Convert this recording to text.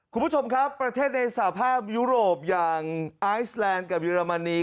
คุณผู้ชมครับประเทศในสภาพยุโรปอย่างไอซแลนด์กับเยอรมนี